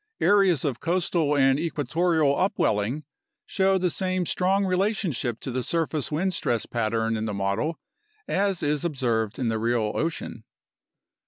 Areas of coastal and equatorial upwelling show the same strong relationship to the surface wind stress pattern in the model as is observed in the real ocean.